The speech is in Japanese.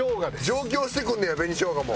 上京してくんねや紅しょうがも。